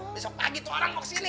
besok pagi tuh orang mau kesini